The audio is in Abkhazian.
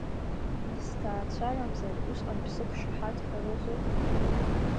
Нас сҭаацәарамзар, усҟан бсықәшаҳаҭхарызу?